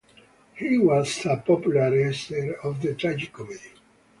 He was a popularizer of the tragicomedy.